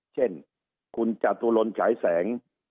เช่นคุณจตุรนฉายแสง